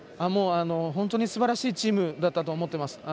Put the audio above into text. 本当にすばらしいチームだったと思ってます。